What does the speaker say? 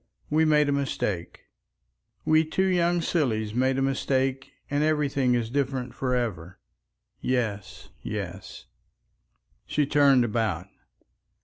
We made a mistake. We two young sillies made a mistake and everything is different for ever. Yes, yes." She turned about.